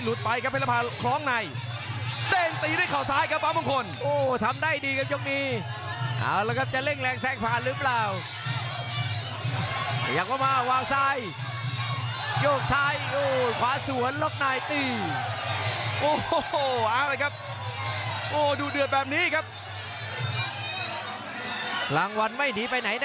หลักในเพนรพาหลักใน